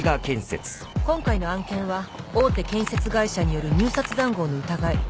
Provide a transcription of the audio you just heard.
今回の案件は大手建設会社による入札談合の疑い。